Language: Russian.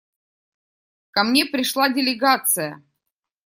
Ко мне пришла делегация.